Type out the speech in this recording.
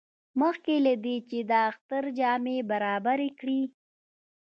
مخکې له دې چې د اختر جامې برابرې کړي.